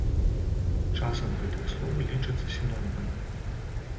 Часам гэтыя словы лічацца сінонімамі.